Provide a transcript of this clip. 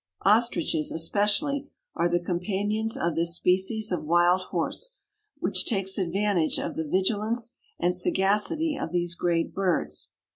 Ostriches, especially, are the companions of this species of wild horse, which takes advantage of the vigilance and sagacity of these great birds.